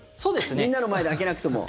みんなの前で開けなくても。